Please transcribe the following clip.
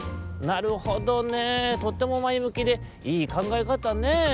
「なるほどねとってもまえむきでいいかんがえかたねぇ。